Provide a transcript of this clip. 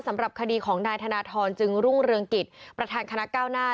สำหรับคดีของนายธนทรจึงรุ่งเรืองกิจประธานคณะก้าวหน้า